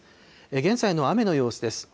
現在の雨の様子です。